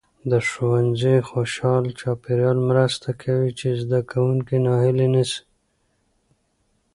د ښوونځي خوشال چاپیریال مرسته کوي چې زده کوونکي ناهیلي نسي.